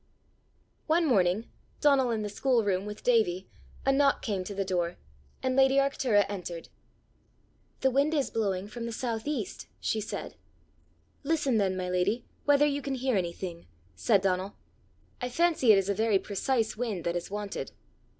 One morning, Donal in the schoolroom with Davie, a knock came to the door, and lady Arctura entered. "The wind is blowing from the south east," she said. "Listen then, my lady, whether you can hear anything," said Donal. "I fancy it is a very precise wind that is wanted."